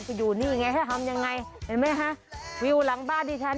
อยู่นี่ไงถ้าทำยังไงเห็นไหมคะวิวหลังบ้านดิฉัน